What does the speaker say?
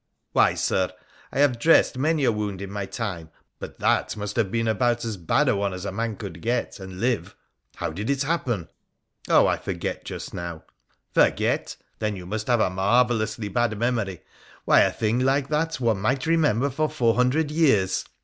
' Why, Sir, I have dressed many a wound in my time, but that must have been about as bad a one as a man could get and live. How did it happen ?' J>2 36 WONDERFUL ADVENTURES OF ' Oh 1 I forget just now.' ' Forget ! Then you must have a marvellously bad memory. Why, a thing like that one might remember for four hundred years